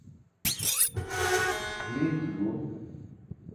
miriin ce duun